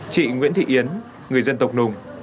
chị nguyễn thị yến người dân tộc nùng